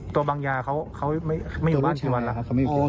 ตัวบางยาเขาเขาไม่ไม่อยู่บ้านกี่วันแล้วครับเขาไม่อยู่บ้าน